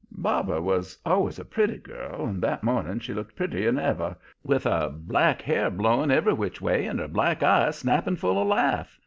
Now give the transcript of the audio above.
"Barbara was always a pretty girl, and that morning she looked prettier than ever, with her black hair blowing every which way and her black eyes snapping full of laugh.